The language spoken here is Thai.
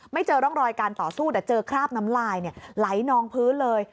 เจอร่องรอยการต่อสู้แต่เจอคราบน้ำลายไหลนองพื้นเลย